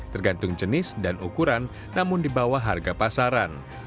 tergantung jenis dan ukuran namun di bawah harga pasaran